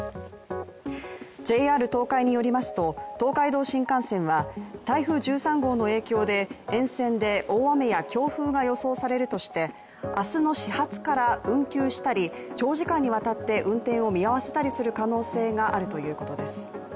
ＪＲ東海によりますと、東海道新幹線は台風１３号の影響で沿線で大雨や強風が予想されるとして明日の始発から運休したり長時間にわたって運転を見合わせたりする可能性があるということです。